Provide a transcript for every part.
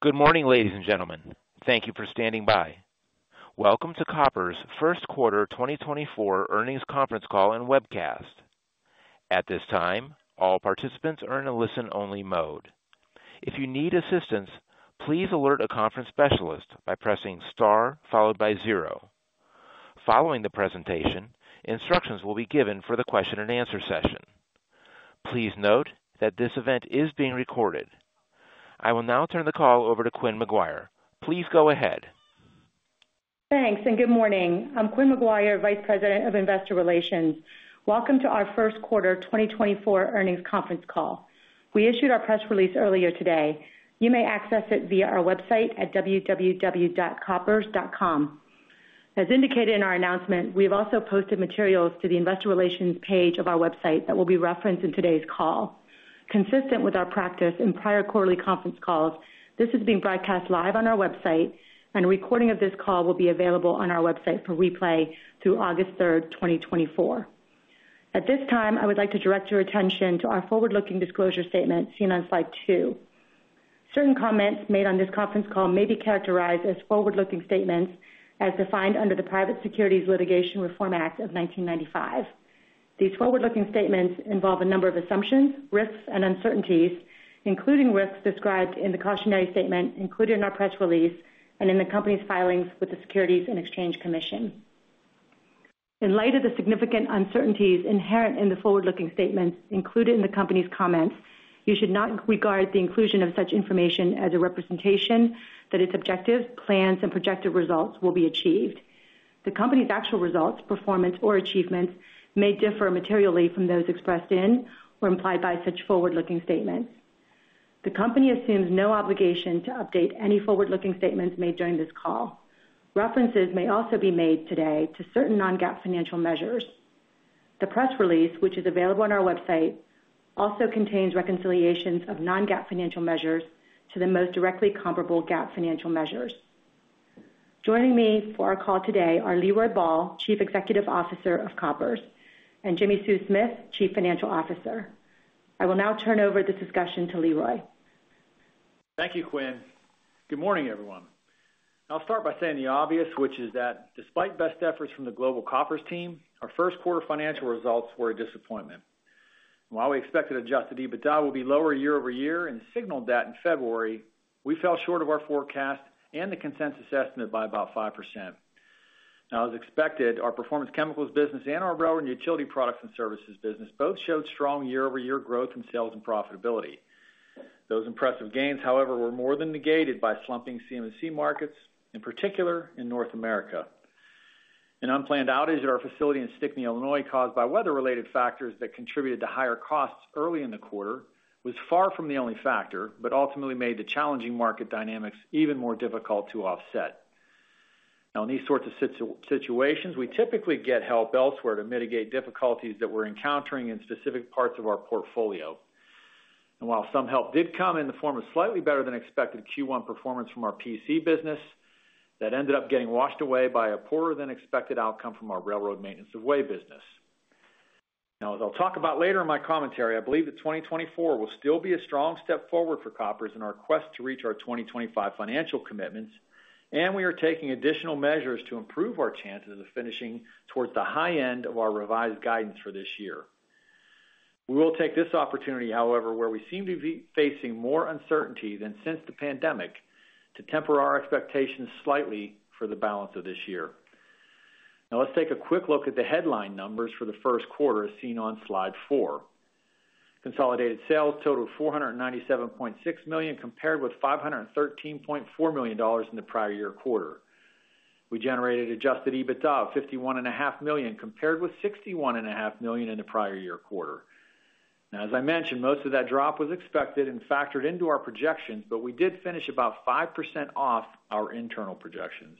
Good morning, ladies and gentlemen. Thank you for standing by. Welcome to Koppers' first quarter 2024 earnings conference call and webcast. At this time, all participants are in a listen-only mode. If you need assistance, please alert a conference specialist by pressing star followed by zero. Following the presentation, instructions will be given for the question-and-answer session. Please note that this event is being recorded. I will now turn the call over to Quynh McGuire. Please go ahead. Thanks, and good morning. I'm Quynh McGuire, Vice President of Investor Relations. Welcome to our first quarter 2024 earnings conference call. We issued our press release earlier today. You may access it via our website at www.koppers.com. As indicated in our announcement, we have also posted materials to the Investor Relations page of our website that will be referenced in today's call. Consistent with our practice in prior quarterly conference calls, this is being broadcast live on our website, and a recording of this call will be available on our website for replay through August 3rd, 2024. At this time, I would like to direct your attention to our forward-looking disclosure statement seen on slide two. Certain comments made on this conference call may be characterized as forward-looking statements as defined under the Private Securities Litigation Reform Act of 1995. These forward-looking statements involve a number of assumptions, risks, and uncertainties, including risks described in the cautionary statement included in our press release and in the company's filings with the Securities and Exchange Commission. In light of the significant uncertainties inherent in the forward-looking statements included in the company's comments, you should not regard the inclusion of such information as a representation that its objectives, plans, and projected results will be achieved. The company's actual results, performance, or achievements may differ materially from those expressed in or implied by such forward-looking statements. The company assumes no obligation to update any forward-looking statements made during this call. References may also be made today to certain non-GAAP financial measures. The press release, which is available on our website, also contains reconciliations of non-GAAP financial measures to the most directly comparable GAAP financial measures. Joining me for our call today are Leroy Ball, Chief Executive Officer of Koppers, and Jimmi Sue Smith, Chief Financial Officer. I will now turn over the discussion to Leroy. Thank you, Quynh. Good morning, everyone. I'll start by saying the obvious, which is that despite best efforts from the global Koppers team, our first quarter financial results were a disappointment. While we expected Adjusted EBITDA will be lower year-over-year and signaled that in February, we fell short of our forecast and the consensus estimate by about 5%. Now, as expected, our performance chemicals business and our railroad and utility products and services business both showed strong year-over-year growth in sales and profitability. Those impressive gains, however, were more than negated by slumping CM&C Markets, in particular in North America. An unplanned outage at our facility in Stickney, Illinois, caused by weather-related factors that contributed to higher costs early in the quarter, was far from the only factor but ultimately made the challenging market dynamics even more difficult to offset. Now, in these sorts of situations, we typically get help elsewhere to mitigate difficulties that we're encountering in specific parts of our portfolio. While some help did come in the form of slightly better-than-expected Q1 performance from our PC business, that ended up getting washed away by a poorer-than-expected outcome from our railroad maintenance of way business. Now, as I'll talk about later in my commentary, I believe that 2024 will still be a strong step forward for Koppers in our quest to reach our 2025 financial commitments, and we are taking additional measures to improve our chances of finishing towards the high end of our revised guidance for this year. We will take this opportunity, however, where we seem to be facing more uncertainty than since the pandemic, to temper our expectations slightly for the balance of this year. Now, let's take a quick look at the headline numbers for the first quarter as seen on slide four. Consolidated sales totaled $497.6 million compared with $513.4 million in the prior year quarter. We generated Adjusted EBITDA of $51.5 million compared with $61.5 million in the prior year quarter. Now, as I mentioned, most of that drop was expected and factored into our projections, but we did finish about 5% off our internal projections.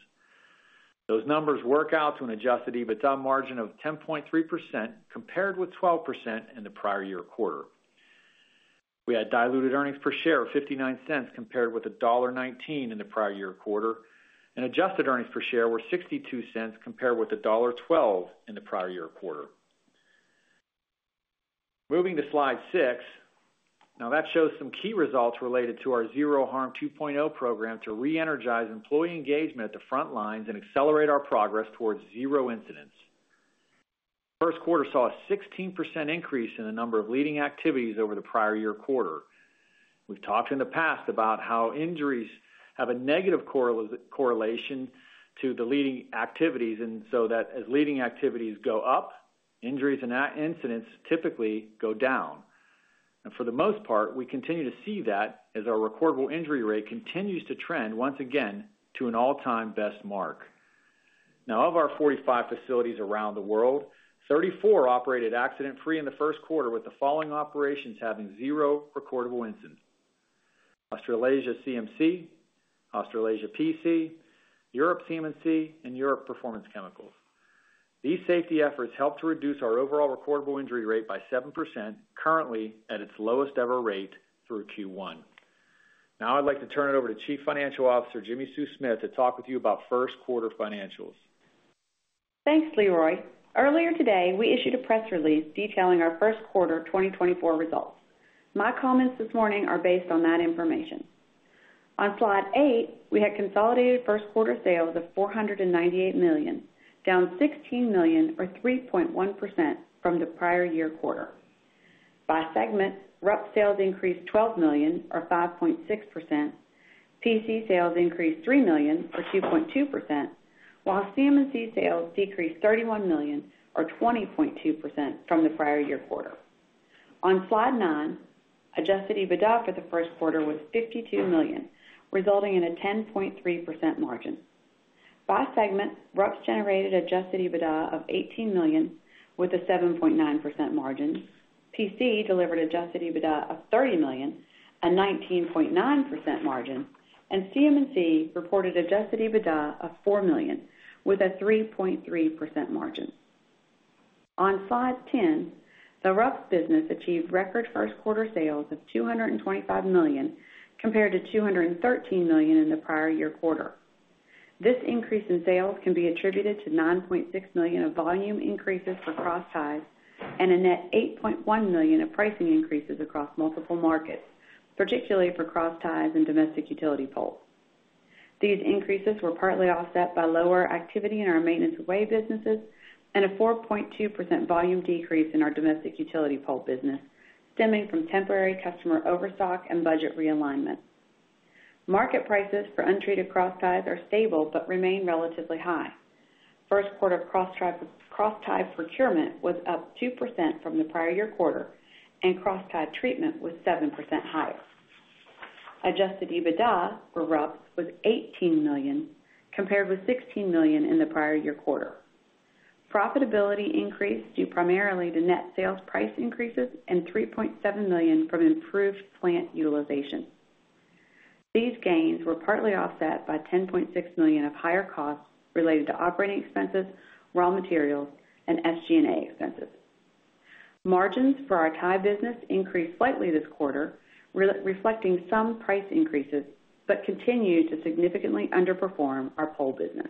Those numbers work out to an Adjusted EBITDA margin of 10.3% compared with 12% in the prior year quarter. We had diluted earnings per share of $0.59 compared with $1.19 in the prior year quarter, and adjusted earnings per share were $0.62 compared with $1.12 in the prior year quarter. Moving to slide six. Now, that shows some key results related to our Zero Harm 2.0 program to re-energize employee engagement at the front lines and accelerate our progress towards zero incidents. First quarter saw a 16% increase in the number of leading activities over the prior year quarter. We've talked in the past about how injuries have a negative correlation to the leading activities, and so that as leading activities go up, injuries and incidents typically go down. For the most part, we continue to see that as our recordable injury rate continues to trend, once again, to an all-time best mark. Now, of our 45 facilities around the world, 34 operated accident-free in the first quarter, with the following operations having zero recordable incidents: Australasia CM&C, Australasia PC, Europe CM&C, and Europe Performance Chemicals. These safety efforts helped to reduce our overall recordable injury rate by 7%, currently at its lowest-ever rate through Q1. Now, I'd like to turn it over to Chief Financial Officer Jimmi Sue Smith to talk with you about first quarter financials. Thanks, Leroy. Earlier today, we issued a press release detailing our first quarter 2024 results. My comments this morning are based on that information. On slide eight, we had consolidated first quarter sales of $498 million, down $16 million or 3.1% from the prior year quarter. By segment, RUPS sales increased $12 million or 5.6%, PC sales increased $3 million or 2.2%, while CM&C sales decreased $31 million or 20.2% from the prior year quarter. On slide 9, adjusted EBITDA for the first quarter was $52 million, resulting in a 10.3% margin. By segment, RUPS generated adjusted EBITDA of $18 million with a 7.9% margin, PC delivered adjusted EBITDA of $30 million, a 19.9% margin, and CM&C reported adjusted EBITDA of $4 million with a 3.3% margin. On slide 10, the RUPS business achieved record first quarter sales of $225 million compared to $213 million in the prior year quarter. This increase in sales can be attributed to $9.6 million of volume increases for cross ties and a net $8.1 million of pricing increases across multiple markets, particularly for cross ties and domestic utility poles. These increases were partly offset by lower activity in our maintenance of way businesses and a 4.2% volume decrease in our domestic utility pole business, stemming from temporary customer overstock and budget realignment. Market prices for untreated cross ties are stable but remain relatively high. First quarter cross tie procurement was up 2% from the prior year quarter, and cross tie treatment was 7% higher. Adjusted EBITDA for RUPS was $18 million compared with $16 million in the prior year quarter. Profitability increased due primarily to net sales price increases and $3.7 million from improved plant utilization. These gains were partly offset by $10.6 million of higher costs related to operating expenses, raw materials, and SG&A expenses. Margins for our tie business increased slightly this quarter, reflecting some price increases, but continue to significantly underperform our pole business.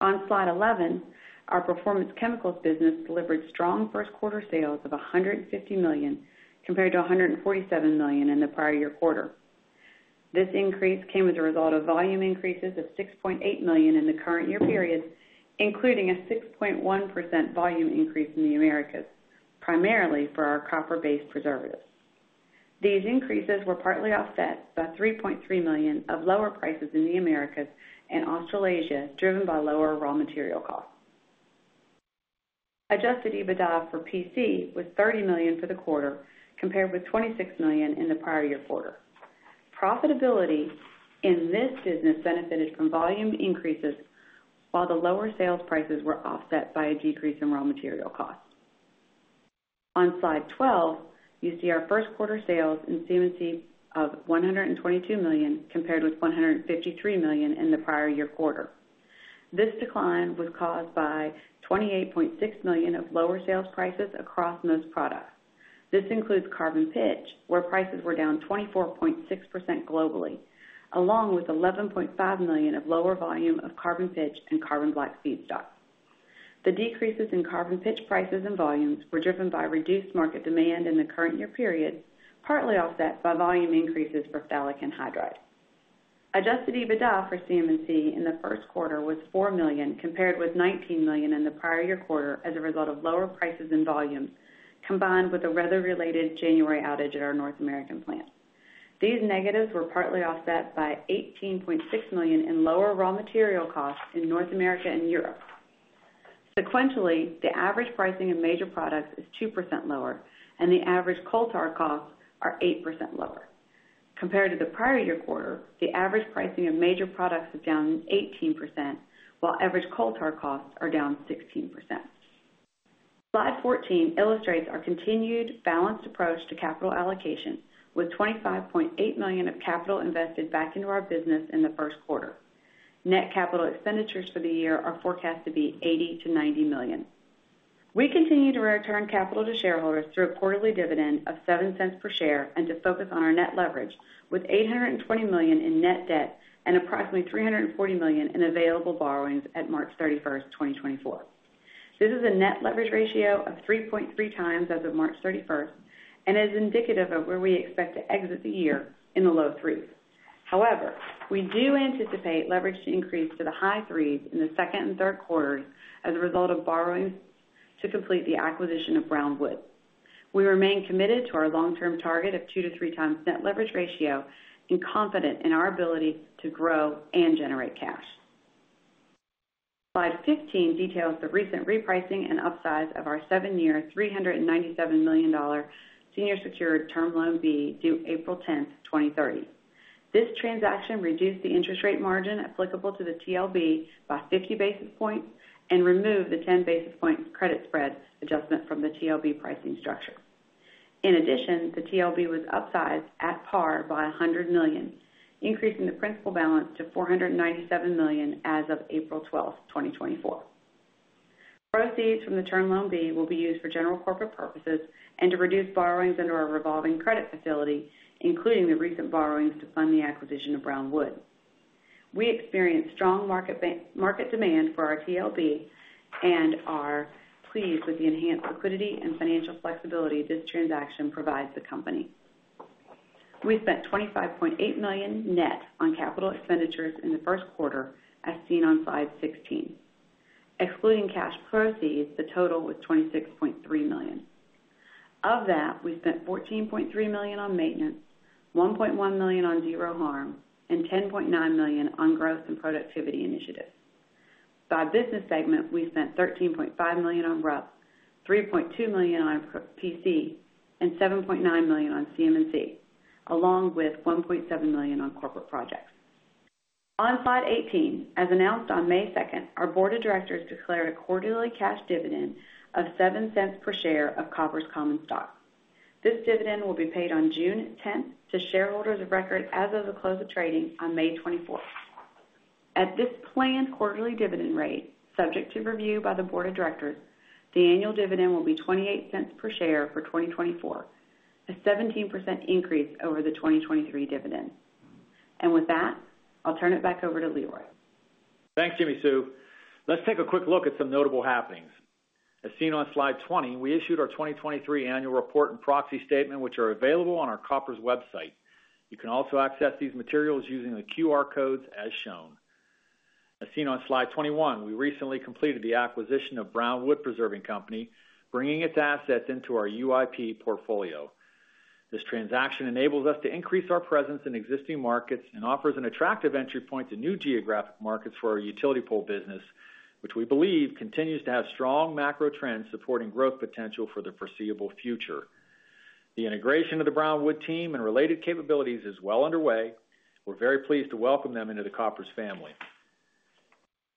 On slide 11, our Performance Chemicals business delivered strong first quarter sales of $150 million compared to $147 million in the prior year quarter. This increase came as a result of volume increases of $6.8 million in the current year period, including a 6.1% volume increase in the Americas, primarily for our copper-based preservatives. These increases were partly offset by $3.3 million of lower prices in the Americas and Australasia, driven by lower raw material costs. Adjusted EBITDA for PC was $30 million for the quarter compared with $26 million in the prior year quarter. Profitability in this business benefited from volume increases, while the lower sales prices were offset by a decrease in raw material costs. On slide 12, you see our first quarter sales in CM&C of $122 million compared with $153 million in the prior year quarter. This decline was caused by $28.6 million of lower sales prices across most products. This includes carbon pitch, where prices were down 24.6% globally, along with $11.5 million of lower volume of carbon pitch and carbon black feedstock. The decreases in carbon pitch prices and volumes were driven by reduced market demand in the current year period, partly offset by volume increases for phthalic anhydride. Adjusted EBITDA for CM&C in the first quarter was $4 million compared with $19 million in the prior year quarter as a result of lower prices and volumes combined with a weather-related January outage at our North American plant. These negatives were partly offset by $18.6 million in lower raw material costs in North America and Europe. Sequentially, the average pricing of major products is 2% lower, and the average coal tar costs are 8% lower. Compared to the prior year quarter, the average pricing of major products is down 18%, while average coal tar costs are down 16%. Slide 14 illustrates our continued balanced approach to capital allocation, with $25.8 million of capital invested back into our business in the first quarter. Net capital expenditures for the year are forecast to be $80-$90 million. We continue to return capital to shareholders through a quarterly dividend of $0.07 per share and to focus on our net leverage, with $820 million in net debt and approximately $340 million in available borrowings at March 31st, 2024. This is a net leverage ratio of 3.3x as of March 31st, and it is indicative of where we expect to exit the year in the low threes. However, we do anticipate leverage to increase to the high threes in the second and third quarters as a result of borrowings to complete the acquisition of Brown Wood. We remain committed to our long-term target of 2-3 x net leverage ratio and confident in our ability to grow and generate cash. Slide 15 details the recent repricing and upsize of our seven-year $397 million senior secured Term Loan B due April 10th, 2030. This transaction reduced the interest rate margin applicable to the TLB by 50 basis points and removed the 10 basis point credit spread adjustment from the TLB pricing structure. In addition, the Term Loan B was upsized at par by $100 million, increasing the principal balance to $497 million as of April 12th, 2024. Proceeds from the Term Loan B will be used for general corporate purposes and to reduce borrowings under our revolving credit facility, including the recent borrowings to fund the acquisition of Brown Wood. We experience strong market demand for our Term Loan B and are pleased with the enhanced liquidity and financial flexibility this transaction provides the company. We spent $25.8 million net on capital expenditures in the first quarter, as seen on slide 16. Excluding cash proceeds, the total was $26.3 million. Of that, we spent $14.3 million on maintenance, $1.1 million on Zero Harm, and $10.9 million on growth and productivity initiatives. By business segment, we spent $13.5 million on RUPS, $3.2 million on PC, and $7.9 million on CM&C, along with $1.7 million on corporate projects. On slide 18, as announced on May 2nd, our board of directors declared a quarterly cash dividend of $0.07 per share of Koppers' common stock. This dividend will be paid on June 10th to shareholders of record as of the close of trading on May 24th. At this planned quarterly dividend rate, subject to review by the board of directors, the annual dividend will be $0.28 per share for 2024, a 17% increase over the 2023 dividend. With that, I'll turn it back over to Leroy. Thanks, Jimmi Sue. Let's take a quick look at some notable happenings. As seen on slide 20, we issued our 2023 annual report and proxy statement, which are available on our Koppers' website. You can also access these materials using the QR codes as shown. As seen on slide 21, we recently completed the acquisition of Brown Wood Preserving Company, bringing its assets into our UIP portfolio. This transaction enables us to increase our presence in existing markets and offers an attractive entry point to new geographic markets for our utility pole business, which we believe continues to have strong macro trends supporting growth potential for the foreseeable future. The integration of the Brown Wood team and related capabilities is well underway. We're very pleased to welcome them into the Koppers' family.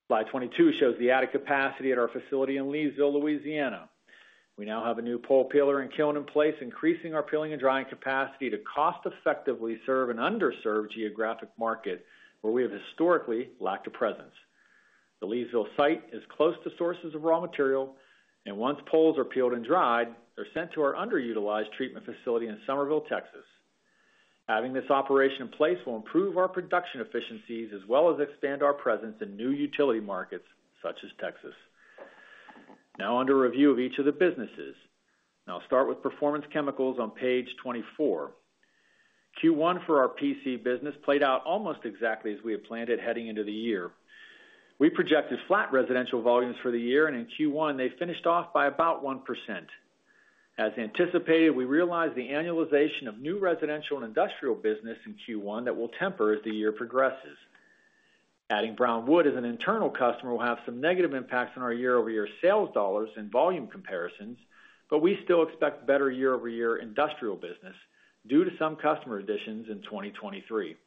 Slide 22 shows the added capacity at our facility in Leesville, Louisiana. We now have a new pole peeler and kiln in place, increasing our peeling and drying capacity to cost-effectively serve an underserved geographic market where we have historically lacked a presence. The Leesville site is close to sources of raw material, and once poles are peeled and dried, they're sent to our underutilized treatment facility in Somerville, Texas. Having this operation in place will improve our production efficiencies as well as expand our presence in new utility markets such as Texas. Now, under review of each of the businesses. Now, I'll start with Performance Chemicals on page 24. Q1 for our PC business played out almost exactly as we had planned it heading into the year. We projected flat residential volumes for the year, and in Q1, they finished off by about 1%. As anticipated, we realized the annualization of new residential and industrial business in Q1 that will temper as the year progresses. Adding Brownwood as an internal customer will have some negative impacts on our year-over-year sales dollars and volume comparisons, but we still expect better year-over-year industrial business due to some customer additions in 2023.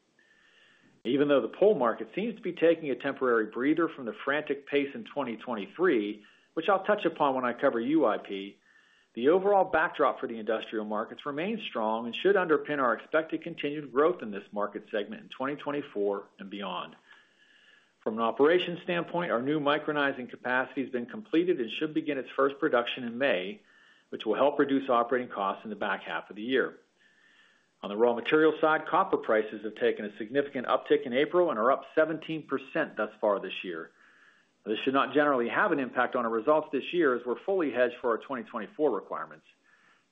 Even though the pole market seems to be taking a temporary breather from the frantic pace in 2023, which I'll touch upon when I cover UIP, the overall backdrop for the industrial markets remains strong and should underpin our expected continued growth in this market segment in 2024 and beyond. From an operations standpoint, our new micronizing capacity has been completed and should begin its first production in May, which will help reduce operating costs in the back half of the year. On the raw material side, copper prices have taken a significant uptick in April and are up 17% thus far this year. This should not generally have an impact on our results this year as we're fully hedged for our 2024 requirements.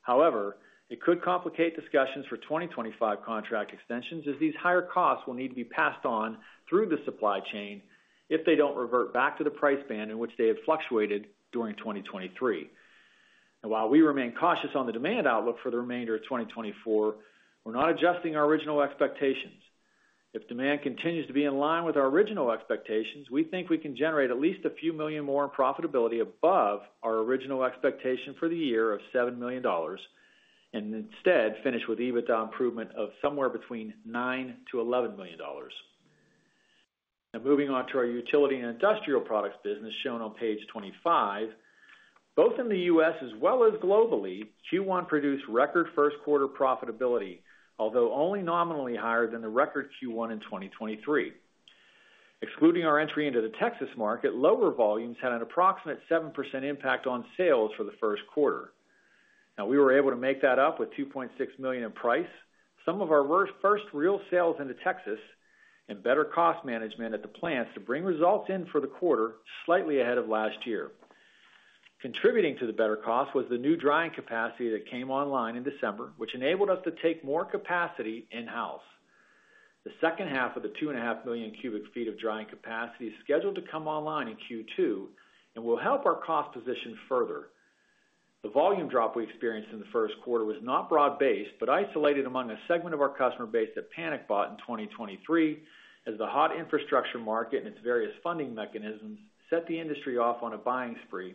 However, it could complicate discussions for 2025 contract extensions as these higher costs will need to be passed on through the supply chain if they don't revert back to the price band in which they had fluctuated during 2023. And while we remain cautious on the demand outlook for the remainder of 2024, we're not adjusting our original expectations. If demand continues to be in line with our original expectations, we think we can generate at least a few million more in profitability above our original expectation for the year of $7 million and instead finish with EBITDA improvement of somewhere between $9 million-$11 million. Now, moving on to our utility and industrial products business shown on page 25, both in the U.S. as well as globally, Q1 produced record first quarter profitability, although only nominally higher than the record Q1 in 2023. Excluding our entry into the Texas market, lower volumes had an approximate 7% impact on sales for the first quarter. Now, we were able to make that up with $2.6 million in price, some of our first real sales into Texas, and better cost management at the plants to bring results in for the quarter slightly ahead of last year. Contributing to the better cost was the new drying capacity that came online in December, which enabled us to take more capacity in-house. The second half of the 2.5 million cubic ft of drying capacity is scheduled to come online in Q2 and will help our cost position further. The volume drop we experienced in the first quarter was not broad-based but isolated among a segment of our customer base that panic-bought in 2023 as the hot infrastructure market and its various funding mechanisms set the industry off on a buying spree.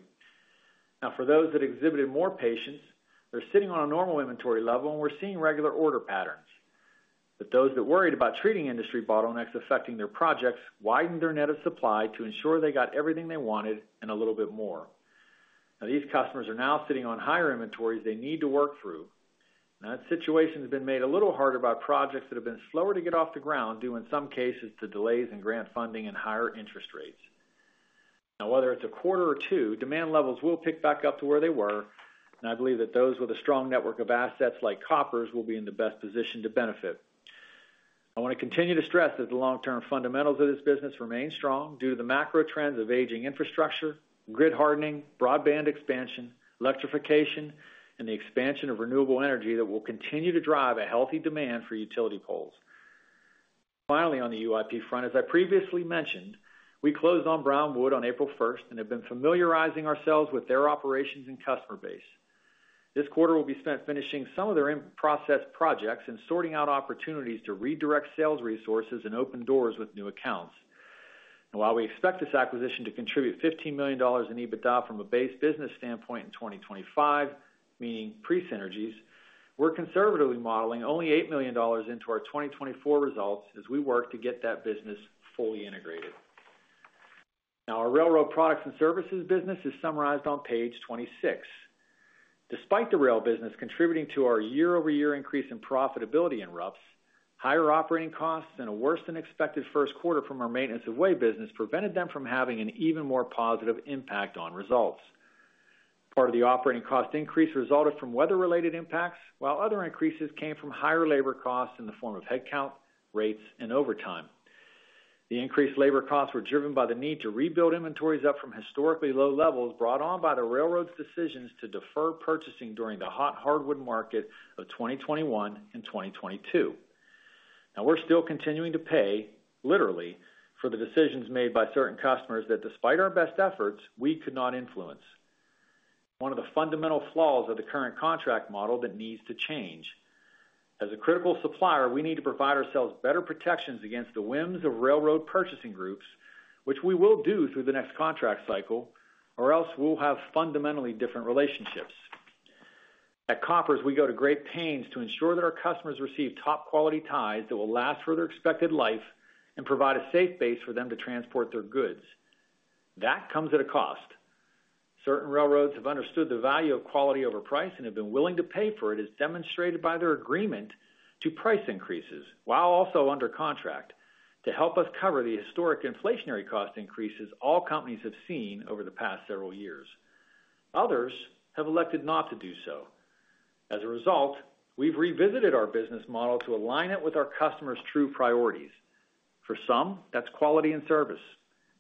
Now, for those that exhibited more patience, they're sitting on a normal inventory level and we're seeing regular order patterns. But those that worried about treating industry bottlenecks affecting their projects widened their net of supply to ensure they got everything they wanted and a little bit more. Now, these customers are now sitting on higher inventories they need to work through. Now, that situation has been made a little harder by projects that have been slower to get off the ground due, in some cases, to delays in grant funding and higher interest rates. Now, whether it's a quarter or two, demand levels will pick back up to where they were, and I believe that those with a strong network of assets like Koppers' will be in the best position to benefit. I want to continue to stress that the long-term fundamentals of this business remain strong due to the macro trends of aging infrastructure, grid hardening, broadband expansion, electrification, and the expansion of renewable energy that will continue to drive a healthy demand for utility poles. Finally, on the UIP front, as I previously mentioned, we closed on Brown Wood on April 1st and have been familiarizing ourselves with their operations and customer base. This quarter will be spent finishing some of their in-process projects and sorting out opportunities to redirect sales resources and open doors with new accounts. Now, while we expect this acquisition to contribute $15 million in EBITDA from a base business standpoint in 2025, meaning pre-synergies, we're conservatively modeling only $8 million into our 2024 results as we work to get that business fully integrated. Now, our railroad products and services business is summarized on page 26. Despite the rail business contributing to our year-over-year increase in profitability in RUPS, higher operating costs and a worse-than-expected first quarter from our maintenance-of-way business prevented them from having an even more positive impact on results. Part of the operating cost increase resulted from weather-related impacts, while other increases came from higher labor costs in the form of headcount, rates, and overtime. The increased labor costs were driven by the need to rebuild inventories up from historically low levels brought on by the railroad's decisions to defer purchasing during the hot hardwood market of 2021 and 2022. Now, we're still continuing to pay, literally, for the decisions made by certain customers that, despite our best efforts, we could not influence. One of the fundamental flaws of the current contract model that needs to change. As a critical supplier, we need to provide ourselves better protections against the whims of railroad purchasing groups, which we will do through the next contract cycle, or else we'll have fundamentally different relationships. At Koppers, we go to great pains to ensure that our customers receive top-quality ties that will last for their expected life and provide a safe base for them to transport their goods. That comes at a cost. Certain railroads have understood the value of quality over price and have been willing to pay for it, as demonstrated by their agreement to price increases while also under contract, to help us cover the historic inflationary cost increases all companies have seen over the past several years. Others have elected not to do so. As a result, we've revisited our business model to align it with our customers' true priorities. For some, that's quality and service.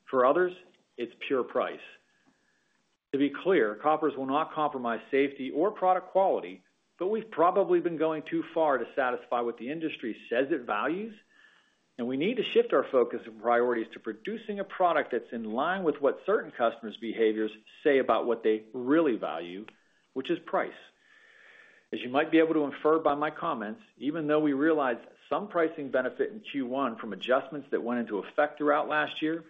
For others, it's pure price. To be clear, Koppers' will not compromise safety or product quality, but we've probably been going too far to satisfy what the industry says it values, and we need to shift our focus and priorities to producing a product that's in line with what certain customer's behaviors say about what they really value, which is price. As you might be able to infer by my comments, even though we realized some pricing benefit in Q1 from adjustments that went into effect throughout last year,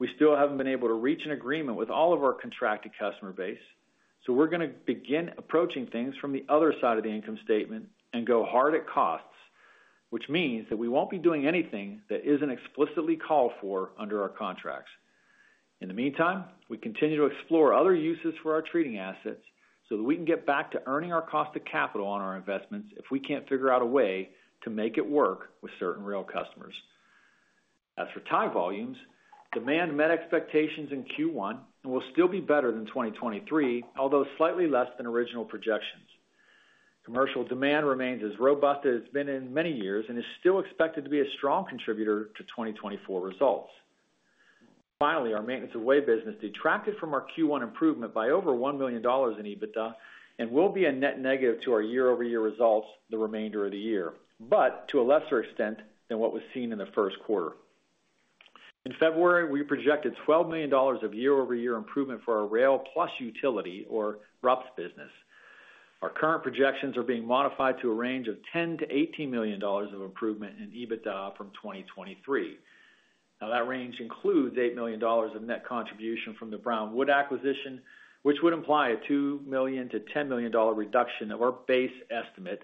we still haven't been able to reach an agreement with all of our contracted customer base. So we're going to begin approaching things from the other side of the income statement and go hard at costs, which means that we won't be doing anything that isn't explicitly called for under our contracts. In the meantime, we continue to explore other uses for our treating assets so that we can get back to earning our cost of capital on our investments if we can't figure out a way to make it work with certain rail customers. As for tie volumes, demand met expectations in Q1 and will still be better than 2023, although slightly less than original projections. Commercial demand remains as robust as it has been in many years and is still expected to be a strong contributor to 2024 results. Finally, our maintenance-of-way business detracted from our Q1 improvement by over $1 million in EBITDA and will be a net negative to our year-over-year results the remainder of the year, but to a lesser extent than what was seen in the first quarter. In February, we projected $12 million of year-over-year improvement for our rail plus utility, or RUP, business. Our current projections are being modified to a range of $10 million-$18 million of improvement in EBITDA from 2023. Now, that range includes $8 million of net contribution from the Brown Wood acquisition, which would imply a $2 million-$10 million reduction of our base estimate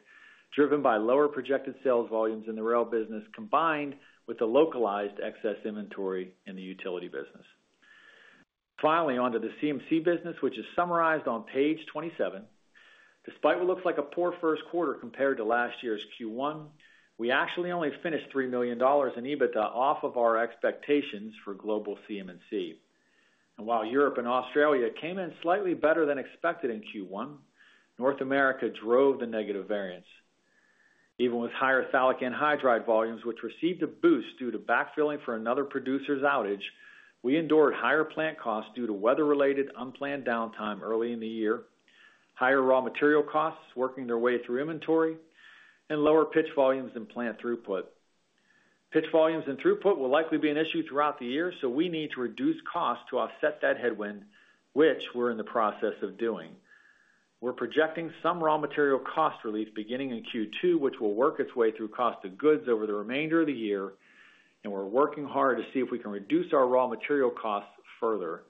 driven by lower projected sales volumes in the rail business combined with the localized excess inventory in the utility business. Finally, onto the CM&C business, which is summarized on page 27. Despite what looks like a poor first quarter compared to last year's Q1, we actually only finished $3 million in EBITDA off of our expectations for global CM&C. And while Europe and Australia came in slightly better than expected in Q1, North America drove the negative variance. Even with higher phthalic anhydride volumes, which received a boost due to backfilling for another producer's outage, we endured higher plant costs due to weather-related unplanned downtime early in the year, higher raw material costs working their way through inventory, and lower pitch volumes and plant throughput. Pitch volumes and throughput will likely be an issue throughout the year, so we need to reduce costs to offset that headwind, which we're in the process of doing. We're projecting some raw material cost relief beginning in Q2, which will work its way through cost of goods over the remainder of the year, and we're working hard to see if we can reduce our raw material costs further.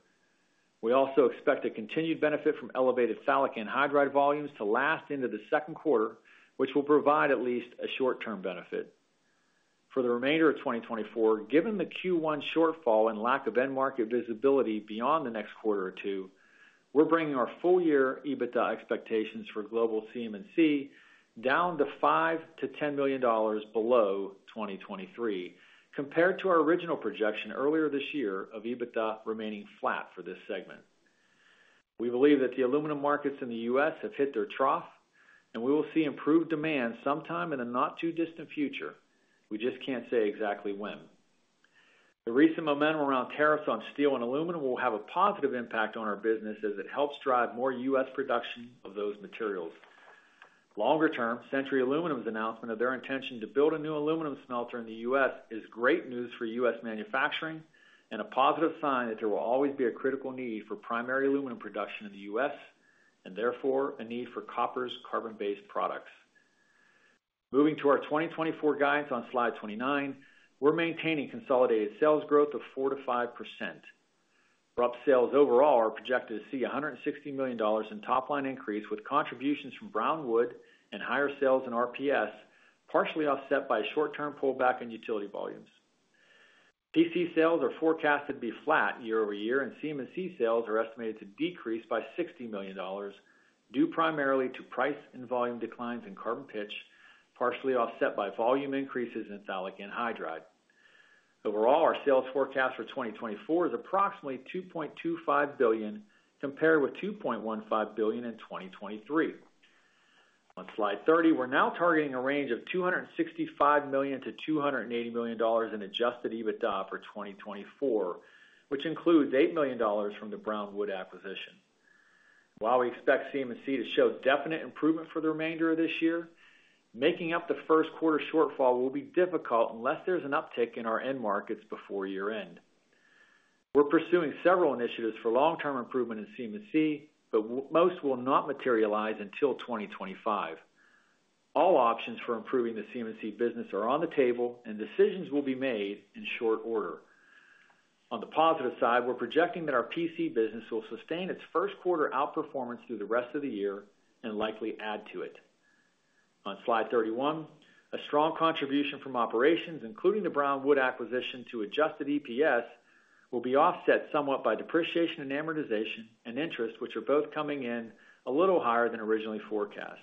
We also expect a continued benefit from elevated phthalic anhydride volumes to last into the second quarter, which will provide at least a short-term benefit. For the remainder of 2024, given the Q1 shortfall and lack of end-market visibility beyond the next quarter or two, we're bringing our full-year EBITDA expectations for global CM&C down to $5 million-$10 million below 2023 compared to our original projection earlier this year of EBITDA remaining flat for this segment. We believe that the aluminum markets in the U.S. have hit their trough, and we will see improved demand sometime in the not-too-distant future. We just can't say exactly when. The recent momentum around tariffs on steel and aluminum will have a positive impact on our business as it helps drive more U.S. production of those materials. Longer term, Century Aluminum's announcement of their intention to build a new aluminum smelter in the U.S. is great news for U.S. manufacturing and a positive sign that there will always be a critical need for primary aluminum production in the U.S. and, therefore, a need for Koppers' carbon-based products. Moving to our 2024 guidance on Slide 29, we're maintaining consolidated sales growth of 4%-5%. RUPS sales overall are projected to see $160 million in top-line increase with contributions from Brown Wood and higher sales in RPS, partially offset by short-term pullback in utility volumes. PC sales are forecast to be flat year-over-year, and CM&C sales are estimated to decrease by $60 million due primarily to price and volume declines in carbon pitch, partially offset by volume increases in phthalic anhydride. Overall, our sales forecast for 2024 is approximately $2.25 billion compared with $2.15 billion in 2023. On slide 30, we're now targeting a range of $265 million-$280 million in adjusted EBITDA for 2024, which includes $8 million from the Brownwood acquisition. While we expect CM&C to show definite improvement for the remainder of this year, making up the first quarter shortfall will be difficult unless there's an uptick in our end markets before year-end. We're pursuing several initiatives for long-term improvement in CM&C, but most will not materialize until 2025. All options for improving the CM&C business are on the table, and decisions will be made in short order. On the positive side, we're projecting that our PC business will sustain its first quarter outperformance through the rest of the year and likely add to it. On slide 31, a strong contribution from operations, including the Brown Wood acquisition to adjusted EPS, will be offset somewhat by depreciation and amortization and interest, which are both coming in a little higher than originally forecast.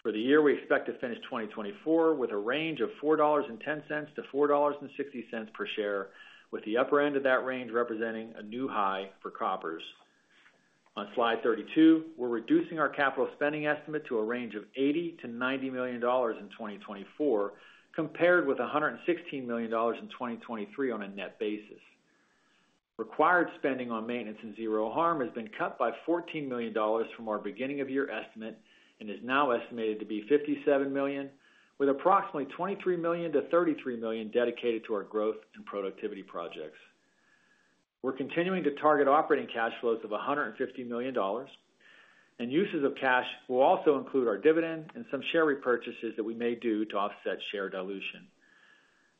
For the year, we expect to finish 2024 with a range of $4.10-$4.60 per share, with the upper end of that range representing a new high for Koppers'. On slide 32, we're reducing our capital spending estimate to a range of $80 million-$90 million in 2024 compared with $116 million in 2023 on a net basis. Required spending on maintenance and Zero Harm has been cut by $14 million from our beginning-of-year estimate and is now estimated to be $57 million, with approximately $23 million-$33 million dedicated to our growth and productivity projects. We're continuing to target operating cash flows of $150 million, and uses of cash will also include our dividend and some share repurchases that we may do to offset share dilution.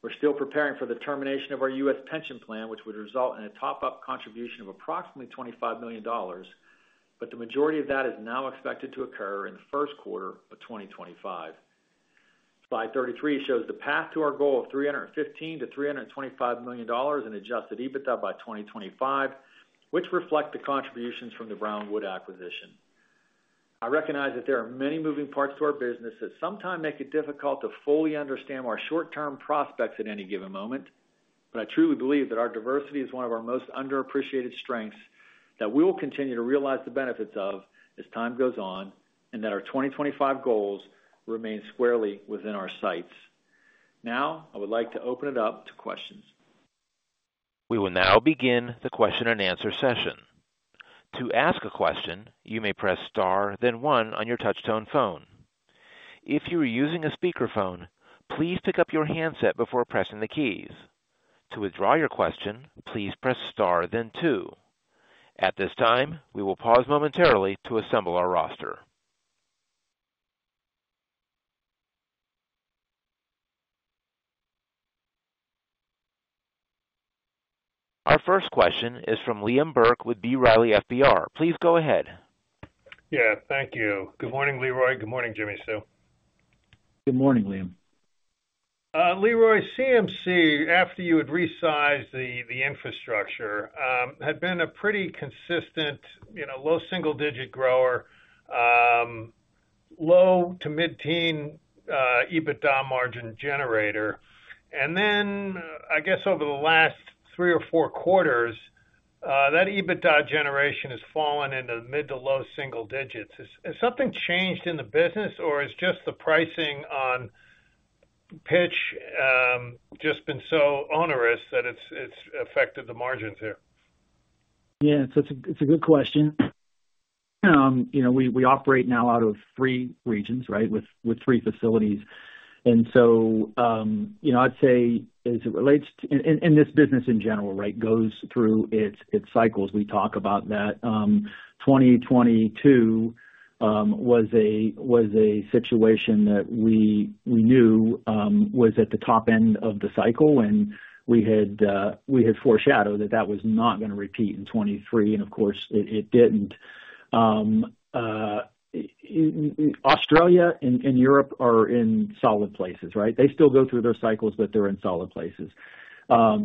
We're still preparing for the termination of our U.S. pension plan, which would result in a top-up contribution of approximately $25 million, but the majority of that is now expected to occur in the first quarter of 2025. Slide 33 shows the path to our goal of $315 million-$325 million in Adjusted EBITDA by 2025, which reflect the contributions from the Brown Wood acquisition. I recognize that there are many moving parts to our business that sometimes make it difficult to fully understand our short-term prospects at any given moment, but I truly believe that our diversity is one of our most underappreciated strengths that we will continue to realize the benefits of as time goes on and that our 2025 goals remain squarely within our sights. Now, I would like to open it up to questions. We will now begin the question-and-answer session. To ask a question, you may press star, then one, on your touch-tone phone. If you are using a speakerphone, please pick up your handset before pressing the keys. To withdraw your question, please press star, then two. At this time, we will pause momentarily to assemble our roster. Our first question is from Liam Burke with B. Riley, FBR. Please go ahead. Yeah, thank you. Good morning, Leroy. Good morning, Jimmi Sue. Good morning, Liam. Leroy, CMC, after you had resized the infrastructure, had been a pretty consistent low-single-digit grower, low to mid-teen EBITDA margin generator. And then, I guess, over the last three or four quarters, that EBITDA generation has fallen into mid to low single digits. Has something changed in the business, or has just the pricing on pitch just been so onerous that it's affected the margins here? Yeah, so it's a good question. We operate now out of three regions, right, with three facilities. And so I'd say, as it relates to and this business in general goes through its cycles. We talk about that. 2022 was a situation that we knew was at the top end of the cycle, and we had foreshadowed that that was not going to repeat in 2023, and of course, it didn't. Australia and Europe are in solid places, right? They still go through their cycles, but they're in solid places. Now,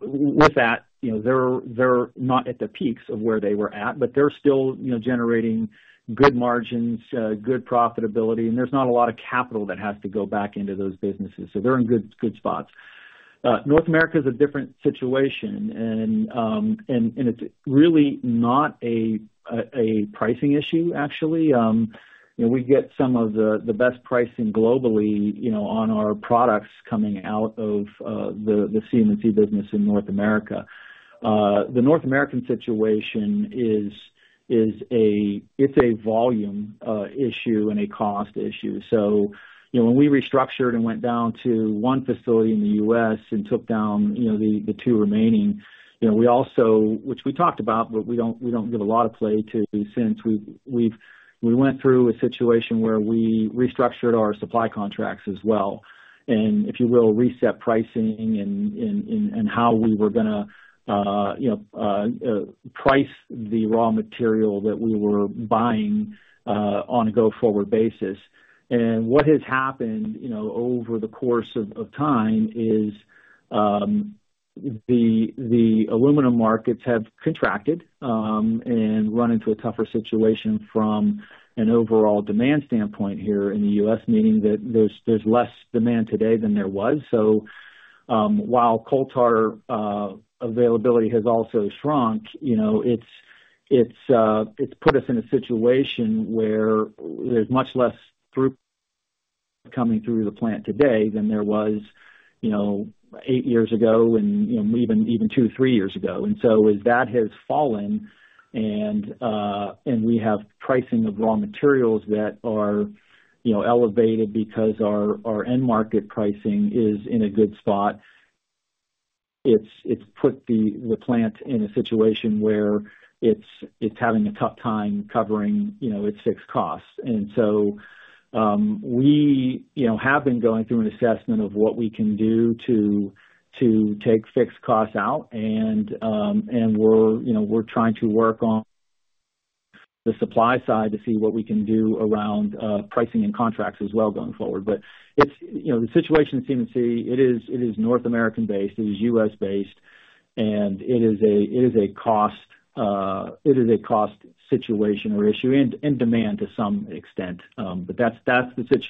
with that, they're not at the peaks of where they were at, but they're still generating good margins, good profitability, and there's not a lot of capital that has to go back into those businesses, so they're in good spots. North America is a different situation, and it's really not a pricing issue, actually. We get some of the best pricing globally on our products coming out of the CM&C business in North America. The North American situation, it's a volume issue and a cost issue. So when we restructured and went down to one facility in the U.S. and took down the two remaining, we also which we talked about, but we don't give a lot of play to since we went through a situation where we restructured our supply contracts as well, and if you will, reset pricing and how we were going to price the raw material that we were buying on a go-forward basis. And what has happened over the course of time is the aluminum markets have contracted and run into a tougher situation from an overall demand standpoint here in the U.S., meaning that there's less demand today than there was. So while coal tar availability has also shrunk, it's put us in a situation where there's much less throughput coming through the plant today than there was eight years ago and even two, three years ago. As that has fallen and we have pricing of raw materials that are elevated because our end-market pricing is in a good spot, it's put the plant in a situation where it's having a tough time covering its fixed costs. We have been going through an assessment of what we can do to take fixed costs out, and we're trying to work on the supply side to see what we can do around pricing and contracts as well going forward. The situation in CM&C, it is North American-based, it is U.S. based, and it is a cost situation or issue and demand to some extent. That's the situation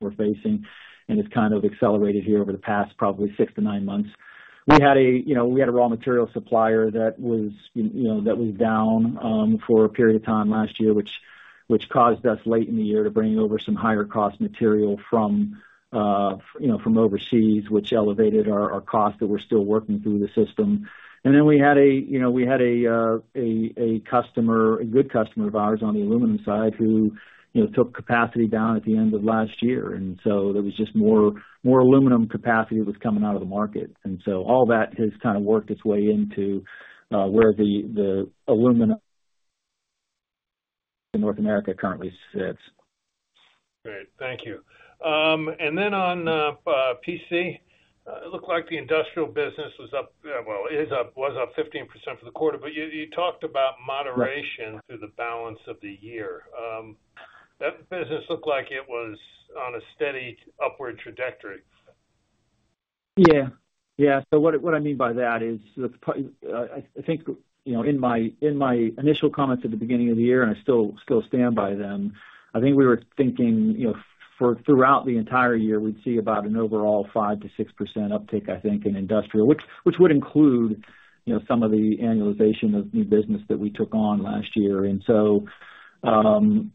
we're facing, and it's kind of accelerated here over the past probably six-nine months. We had a raw material supplier that was down for a period of time last year, which caused us late in the year to bring over some higher-cost material from overseas, which elevated our cost that we're still working through the system. And then we had a customer, a good customer of ours on the aluminum side, who took capacity down at the end of last year. And so there was just more aluminum capacity that was coming out of the market. And so all that has kind of worked its way into where the aluminum in North America currently sits. Great. Thank you. And then on PC, it looked like the industrial business was up, well, it was up 15% for the quarter, but you talked about moderation through the balance of the year. That business looked like it was on a steady upward trajectory. Yeah. Yeah. So what I mean by that is I think in my initial comments at the beginning of the year, and I still stand by them, I think we were thinking throughout the entire year, we'd see about an overall 5%-6% uptake, I think, in industrial, which would include some of the annualization of new business that we took on last year. And so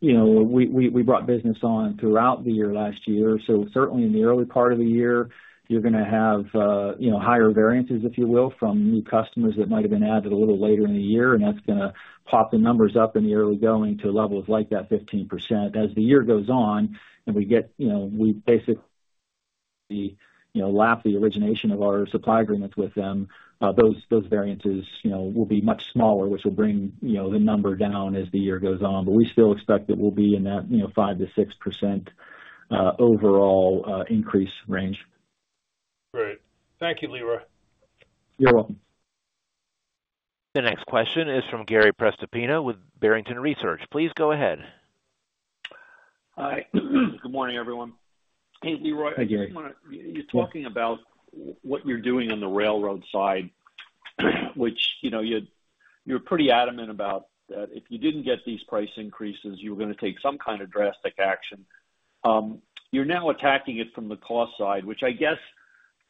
we brought business on throughout the year last year. So certainly, in the early part of the year, you're going to have higher variances, if you will, from new customers that might have been added a little later in the year, and that's going to pop the numbers up in the early going to levels like that 15%. As the year goes on and we get we basically lap the origination of our supply agreements with them, those variances will be much smaller, which will bring the number down as the year goes on. But we still expect it will be in that 5%-6% overall increase range. Great. Thank you, Leroy. You're welcome. The next question is from Gary Prestopino with Barrington Research. Please go ahead. Hi. Good morning, everyone. Hey, Leroy. Hi, Gary. You're talking about what you're doing on the railroad side, which you're pretty adamant about that if you didn't get these price increases, you were going to take some kind of drastic action. You're now attacking it from the cost side, which I guess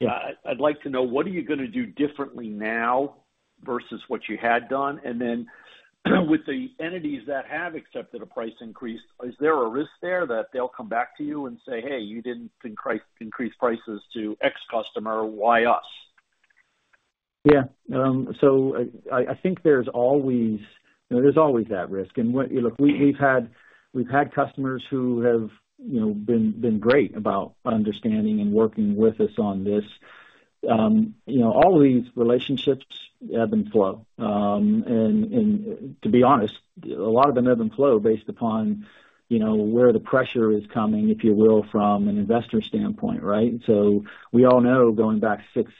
I'd like to know, what are you going to do differently now versus what you had done? Then with the entities that have accepted a price increase, is there a risk there that they'll come back to you and say, "Hey, you didn't increase prices to X customer. Why us?" Yeah. So I think there's always that risk. And look, we've had customers who have been great about understanding and working with us on this. All of these relationships ebb and flow. And to be honest, a lot of them ebb and flow based upon where the pressure is coming, if you will, from an investor standpoint, right? So we all know, going back six,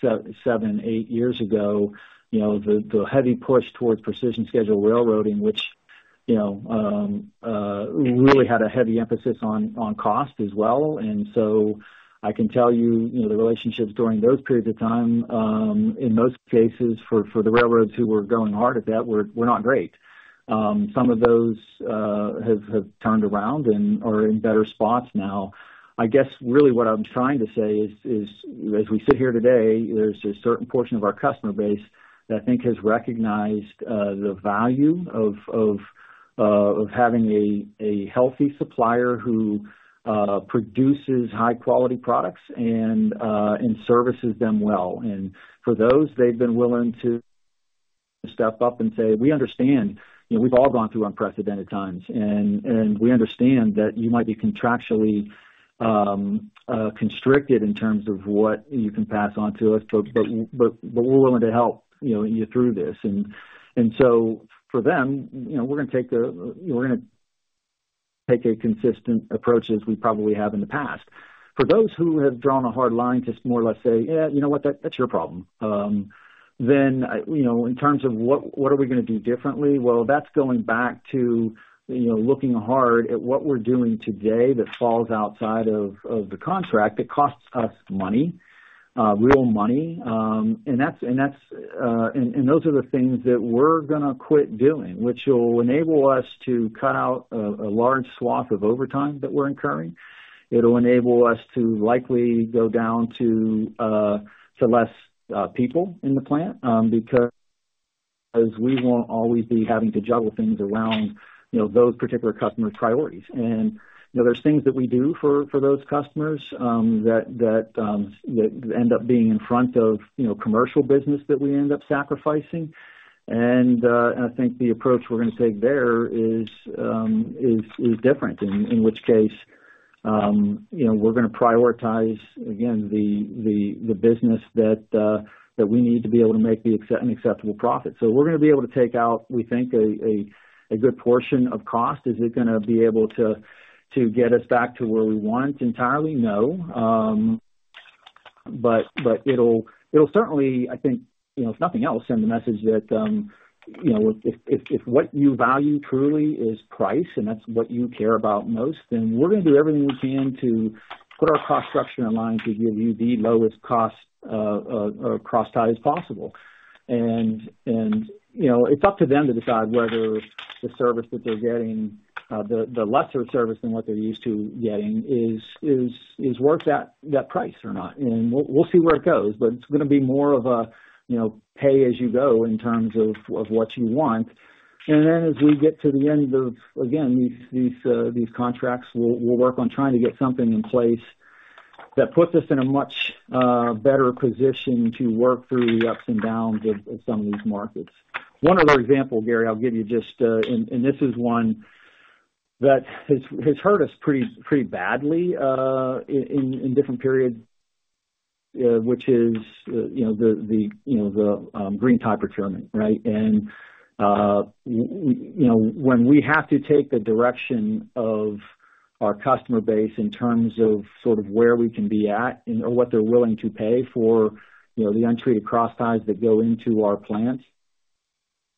seven, eight years ago, the heavy push towards Precision Scheduled Railroading, which really had a heavy emphasis on cost as well. And so I can tell you the relationships during those periods of time, in most cases, for the railroads who were going hard at that, were not great. Some of those have turned around and are in better spots now. I guess really what I'm trying to say is, as we sit here today, there's a certain portion of our customer base that I think has recognized the value of having a healthy supplier who produces high-quality products and services them well. And for those, they've been willing to step up and say, "We understand. We've all gone through unprecedented times, and we understand that you might be contractually constricted in terms of what you can pass on to us, but we're willing to help you through this." And so for them, we're going to take a consistent approach as we probably have in the past. For those who have drawn a hard line to more or less say, "Yeah, you know what? That's your problem." Then, in terms of what are we going to do differently? Well, that's going back to looking hard at what we're doing today that falls outside of the contract that costs us money, real money. And those are the things that we're going to quit doing, which will enable us to cut out a large swath of overtime that we're incurring. It'll enable us to likely go down to less people in the plant because we won't always be having to juggle things around those particular customers' priorities. And there's things that we do for those customers that end up being in front of commercial business that we end up sacrificing. And I think the approach we're going to take there is different, in which case we're going to prioritize, again, the business that we need to be able to make an acceptable profit. So we're going to be able to take out, we think, a good portion of cost. Is it going to be able to get us back to where we want entirely? No. But it'll certainly, I think, if nothing else, send the message that if what you value truly is price and that's what you care about most, then we're going to do everything we can to put our cost structure in line to give you the lowest cost or crosstie as possible. And it's up to them to decide whether the service that they're getting, the lesser service than what they're used to getting, is worth that price or not. And we'll see where it goes, but it's going to be more of a pay-as you-go in terms of what you want. Then as we get to the end of, again, these contracts, we'll work on trying to get something in place that puts us in a much better position to work through the ups and downs of some of these markets. One other example, Gary, I'll give you just and this is one that has hurt us pretty badly in different periods, which is the Green Tie Procurement, right? When we have to take the direction of our customer base in terms of sort of where we can be at or what they're willing to pay for the untreated crossties that go into our plants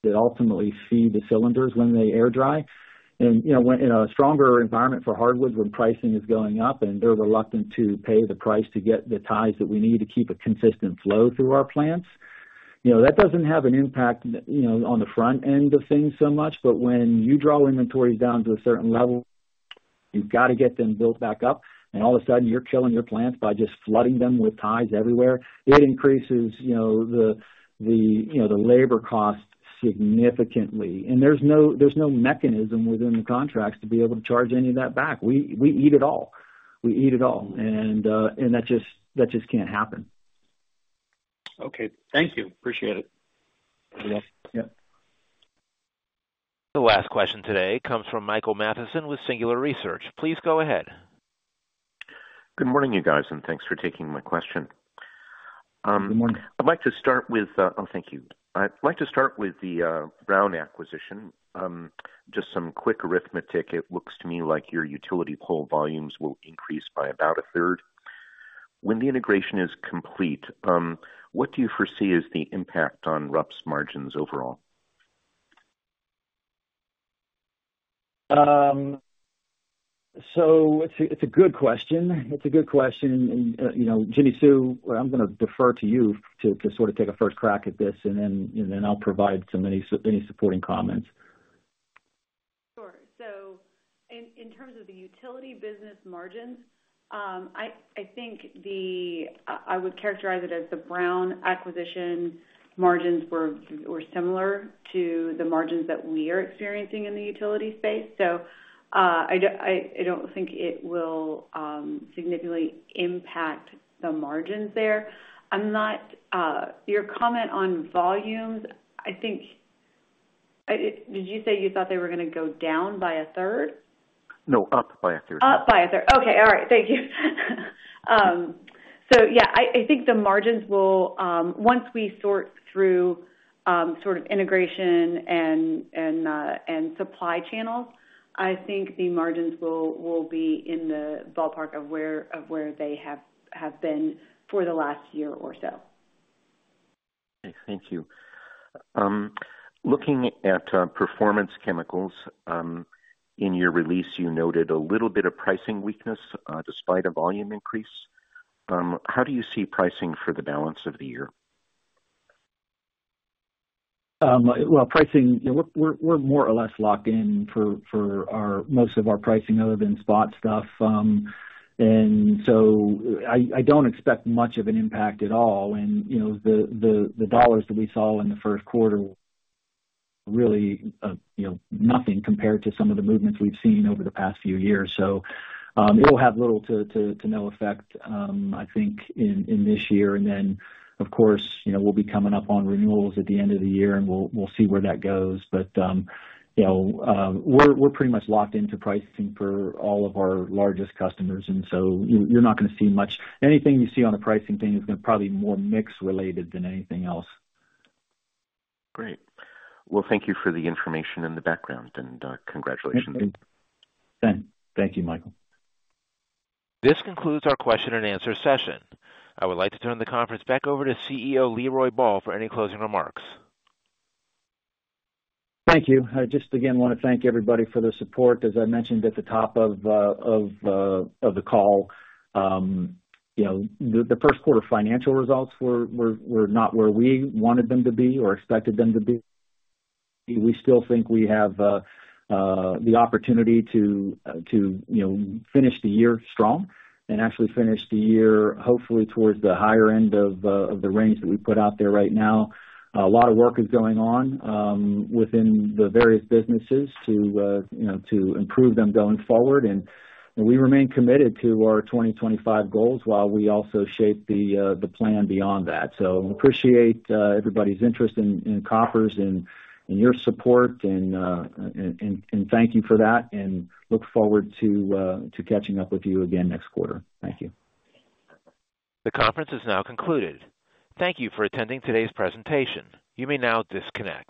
that ultimately feed the cylinders when they air dry. And in a stronger environment for hardwoods, when pricing is going up and they're reluctant to pay the price to get the ties that we need to keep a consistent flow through our plants, that doesn't have an impact on the front end of things so much. But when you draw inventories down to a certain level, you've got to get them built back up, and all of a sudden, you're killing your plants by just flooding them with ties everywhere. It increases the labor cost significantly. And there's no mechanism within the contracts to be able to charge any of that back. We eat it all. We eat it all. And that just can't happen. Okay. Thank you. Appreciate it. Yep. Yep. The last question today comes from Michael Mattison with Singular Research. Please go ahead. Good morning, you guys, and thanks for taking my question. Good morning. I'd like to start with. Oh, thank you. I'd like to start with the Brown acquisition. Just some quick arithmetic. It looks to me like your utility pole volumes will increase by about a third. When the integration is complete, what do you foresee as the impact on RUPS's margins overall? So it's a good question. It's a good question. And Jimmi Sue, I'm going to defer to you to sort of take a first crack at this, and then I'll provide some any supporting comments. Sure. So in terms of the utility business margins, I think I would characterize it as the Brown acquisition margins were similar to the margins that we are experiencing in the utility space. So I don't think it will significantly impact the margins there. Your comment on volumes, I think did you say you thought they were going to go down by a third? No, up by a third. Up by a third. Okay. All right. Thank you. So yeah, I think the margins will once we sort through sort of integration and supply channels, I think the margins will be in the ballpark of where they have been for the last year or so. Okay. Thank you. Looking at Performance Chemicals, in your release, you noted a little bit of pricing weakness despite a volume increase. How do you see pricing for the balance of the year? Well, pricing, we're more or less locked in for most of our pricing other than spot stuff. And so I don't expect much of an impact at all. And the dollars that we saw in the first quarter were really nothing compared to some of the movements we've seen over the past few years. So it'll have little to no effect, I think, in this year. And then, of course, we'll be coming up on renewals at the end of the year, and we'll see where that goes. But we're pretty much locked into pricing for all of our largest customers. And so you're not going to see much. Anything you see on a pricing thing is probably more mix-related than anything else. Great. Well, thank you for the information in the background, and congratulations. Thank you. Thanks. Thank you, Michael. This concludes our question-and-answer session. I would like to turn the conference back over to CEO Leroy Ball for any closing remarks. Thank you. I just, again, want to thank everybody for their support. As I mentioned at the top of the call, the first quarter financial results were not where we wanted them to be or expected them to be. We still think we have the opportunity to finish the year strong and actually finish the year, hopefully, towards the higher end of the range that we put out there right now. A lot of work is going on within the various businesses to improve them going forward. We remain committed to our 2025 goals while we also shape the plan beyond that. I appreciate everybody's interest in Koppers and your support, and thank you for that. Look forward to catching up with you again next quarter. Thank you. The conference is now concluded. Thank you for attending today's presentation. You may now disconnect.